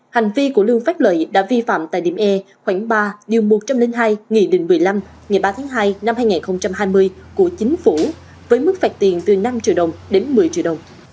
hành vi của lương phát lợi đã vi phạm tại điểm e khoảng ba một trăm linh hai nghị định một mươi năm ngày ba tháng hai năm hai nghìn hai mươi của chính phủ với mức phạt tiền từ năm triệu đồng đến một mươi triệu đồng